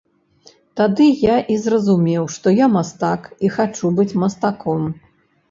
Тады я і зразумеў, што я мастак і хачу быць мастаком.